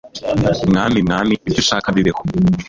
mwami mwami, ibyo ushaka bibeho